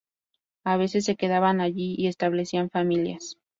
A veces se quedaban allí y establecían familias.